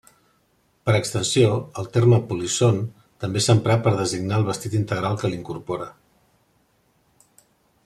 Per extensió, el terme polisson també s'empra per designar el vestit integral que l'incorpora.